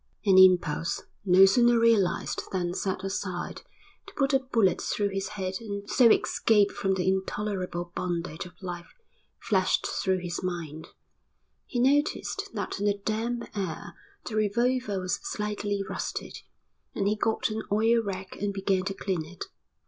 An impulse, no sooner realised than set aside, to put a bullet through his head and so escape from the intolerable bondage of life flashed through his mind. He noticed that in the damp air the revolver was slightly rusted, and he got an oil rag and began to clean it.